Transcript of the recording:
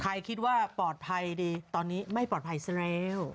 คิดว่าปลอดภัยดีตอนนี้ไม่ปลอดภัยซะแล้ว